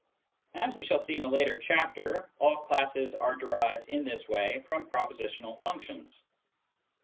(As we shall see in a later chapter, all classes are derived in this way from propositional functions.)